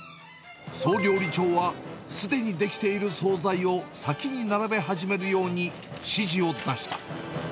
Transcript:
総料理長は、すでに出来ている総菜を先に並べ始めるように指示を出した。